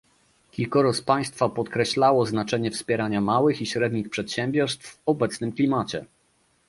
Kilkoro z państwa podkreślało znaczenie wspierania małych i średnich przedsiębiorstw w obecnym klimacie